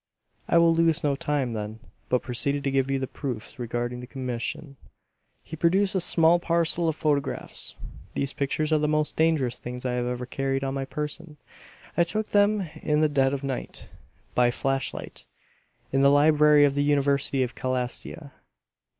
"I will lose no time then, but proceed to give you the proofs regarding the commission." He produced a small parcel of photographs. "These pictures are the most dangerous things I have ever carried on my person. I took them in the dead of night, by flashlight, in the library of the University of Calastia.